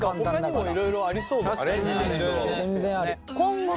ほかにもいろいろありそうだよね。